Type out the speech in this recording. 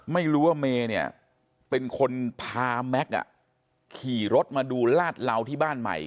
ไม่รู้ว่าเมย์เนี่ยเป็นคนพาแม็กซ์ขี่รถมาดูลาดเหลาที่บ้านใหม่